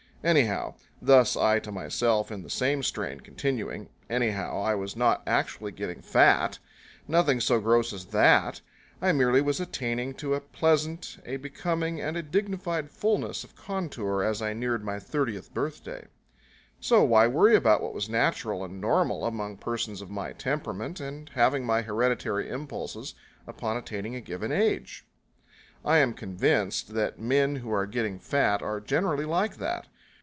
Anyhow thus I to myself in the same strain, continuing anyhow, I was not actually getting fat. Nothing so gross as that. I merely was attaining to a pleasant, a becoming and a dignified fullness of contour as I neared my thirtieth birthday. So why worry about what was natural and normal among persons of my temperament, and having my hereditary impulses, upon attaining a given age? I am convinced that men who are getting fat are generally like that.